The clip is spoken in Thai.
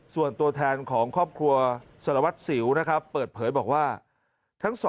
ส่วนตัวแทนของครอบครัวสารวัตรสิวนะครับเปิดเผยบอกว่าทั้ง๒